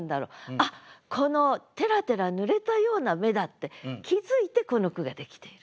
「あっこのてらてら濡れたような目だ！」って気づいてこの句ができている。